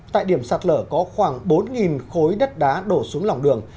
tại điểm sạt lở có khoảng bốn khối đất đá đổ xuống lòng đường